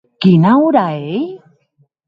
Quina ora ei?